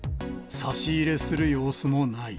差し入れする様子もない。